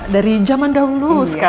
dari zaman dahulu sekali